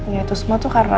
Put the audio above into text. ya itu semua tuh karena